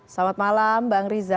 selamat malam bang rizal